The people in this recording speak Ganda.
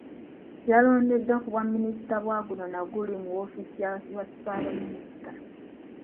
Yalondeddwa ku bwa Minisita bwa guno na guli mu woofiisi ya Ssaabaminisita.